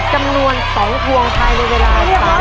จำนวน๒กวงถ่ายโดยเวลา